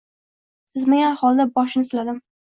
Sezmagan holda boshini siladim